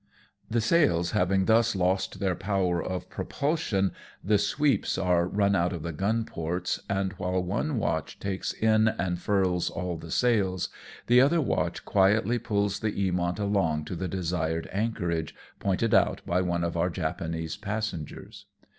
The sails having thus lost their power of propulsion the sweeps are runout of the gun ports, and, while one watch takes in and furls all the sails, the other watch quietly pulls the Eamont along to the desired anchorage pointed out by one of our Japanese passengers.